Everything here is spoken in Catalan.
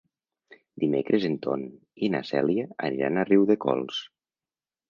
Dimecres en Ton i na Cèlia aniran a Riudecols.